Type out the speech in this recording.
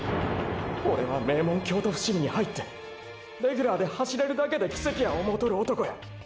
オレは名門京都伏見に入ってレギュラーで走れるだけで奇跡や思うとる男や。